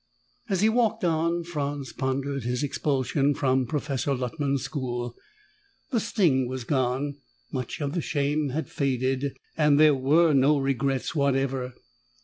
As he walked on, Franz pondered his expulsion from Professor Luttman's school. The sting was gone, much of the shame had faded, and there were no regrets whatever.